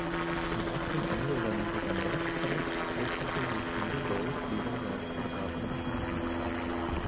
Nach dem Ende seiner Gouverneurszeit widmete sich Newbold wieder seinen privaten Geschäften.